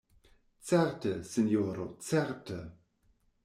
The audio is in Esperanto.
Certe, sinjoro, certe!